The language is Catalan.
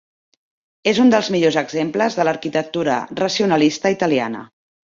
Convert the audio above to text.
És un dels millors exemples de l'arquitectura racionalista italiana.